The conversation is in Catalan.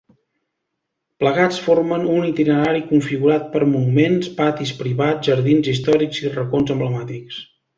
Plegats, formen un itinerari configurat per monuments, patis privats, jardins històrics i racons emblemàtics.